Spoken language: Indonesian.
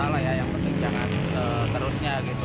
lah ya yang penting jangan seterusnya gitu